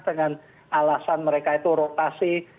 dengan alasan mereka itu rotasi